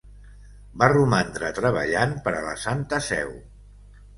Va romandre treballant per a la Santa Seu.